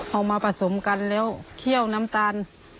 มาผสมกันแล้วเคี่ยวน้ำตาล